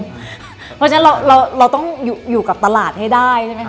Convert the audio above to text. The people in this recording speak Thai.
เพราะฉะนั้นเราต้องอยู่กับตลาดให้ได้ใช่ไหมค